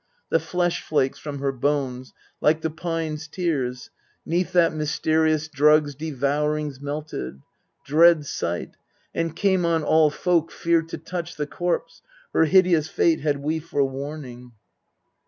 The flesh flakes from her bones, like the pine's tears, 'Neath that mysterious drug's devourings melted Dread sight and came on all folk fear to touch The corpse : her hideous fate had we for warning.